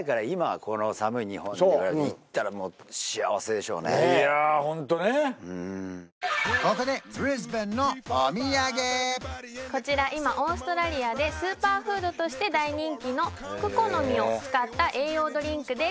ここでブリスベンのお土産こちら今オーストラリアでスーパーフードとして大人気のクコの実を使った栄養ドリンクです